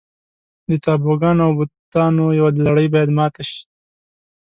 د تابوګانو او بوتانو یوه لړۍ باید ماته شي.